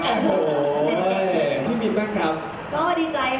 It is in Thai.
แล้วก็พอได้เป็นพรีเซนเตอร์ก็ดีใจมาก